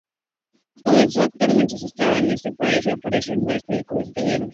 Comenzó a actuar mientras estaba en este país, y apareció en varias películas italianas.